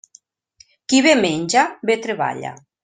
Qui bé menja, bé treballa.